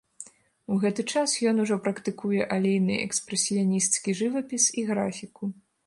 У гэты час ён ужо практыкуе алейны экспрэсіянісцкі жывапіс і графіку.